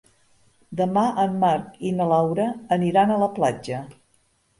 Demà en Marc i na Laura aniran a la platja.